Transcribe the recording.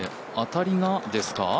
当たりがですか？